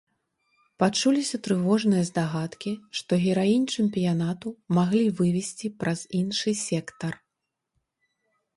Пачуліся трывожныя здагадкі, што гераінь чэмпіянату маглі вывезці праз іншы сектар.